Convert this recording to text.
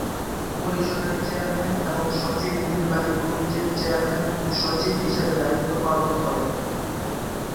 পরিষদের চেয়ারম্যান এবং সচিব নির্বাহী কমিটির চেয়ারম্যান ও সচিব হিসেবে দায়িত্ব পালন করেন।